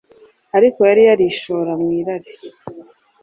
Ariko yari yarishora mu irari